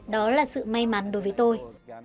đó là sự may mắn đối với tôi